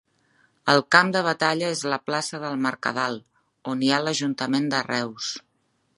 El camp de batalla és la plaça del Mercadal, on hi ha l'ajuntament de Reus.